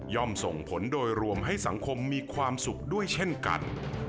ส่งผลโดยรวมให้สังคมมีความสุขด้วยเช่นกัน